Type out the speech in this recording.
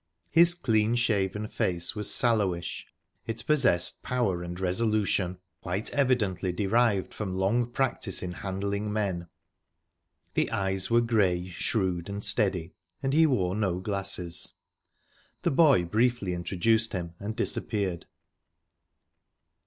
His clean shaven face was sallowish; it possessed power and resolution, quite evidently derived from long practice in handling men. The eyes were grey, shrewd, and steady, and he wore no glasses...The boy briefly introduced him, and disappeared.